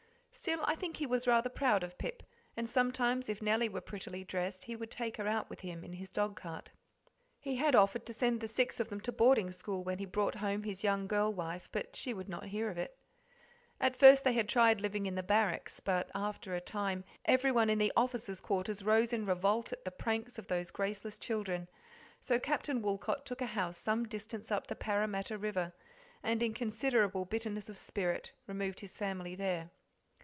Still, I think he was rather proud of Pip, and sometimes, if Nellie were prettily dressed, he would take her out with him in his dogcart. He had offered to send the six of them to boarding school when he brought home his young girl wife, but she would not hear of it. At first they had tried living in the barracks, but after a time every one in the officers' quarters rose in revolt at the pranks of those graceless children, so Captain Woolcot took a house some distance up the Parramatta River, and in considerable bitterness of spirit removed his family there.